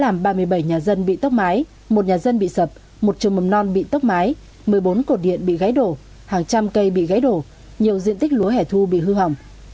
một nhà dân bị sập một trường mầm non bị tốc mái một mươi bốn cột điện bị gáy đổ hàng trăm cây bị gáy đổ nhiều diện tích lúa hẻ thu bị hư hỏng